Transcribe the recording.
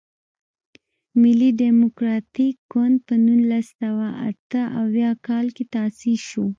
ملي ډیموکراتیک ګوند په نولس سوه اته اویا کال کې تاسیس شو.